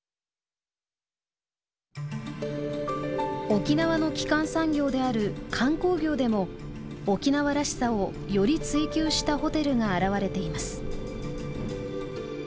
沖縄の基幹産業である観光業でも沖縄らしさをより追求したホテルが現れています。